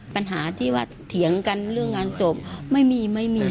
ปัญหาที่ว่าเถียงกันเรื่องงานศพไม่มีไม่มี